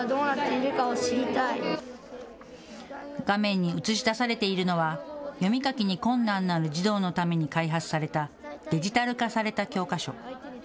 画面に映し出されているのは読み書きに困難のある児童のために開発されたデジタル化された教科書。